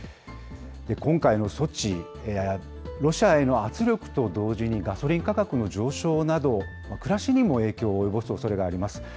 今回の措置、ロシアへの圧力と同時にガソリン価格の上昇など、暮らしにも影響を及ぼすおそれがあります。